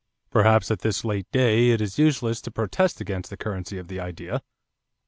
Perhaps at this late day, it is useless to protest against the currency of the idea.